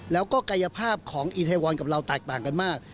แล้วก็กายภาพของอีเทวอนกับเราแตกต่างกันมาก